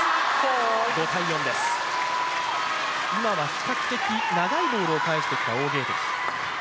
今は比較的長いボールを返してきた王ゲイ迪。